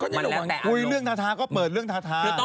คุยเรื่องทาทาก็เปิดเรื่องทาทา